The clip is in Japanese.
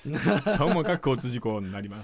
ともかく交通事故になります。